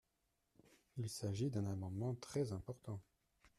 Il s’agit d’un amendement très important.